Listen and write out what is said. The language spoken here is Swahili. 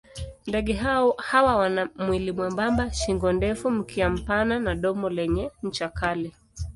Ndege hawa wana mwili mwembamba, shingo ndefu, mkia mpana na domo lenye ncha kali.